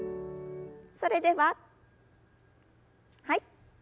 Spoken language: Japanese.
それでははい。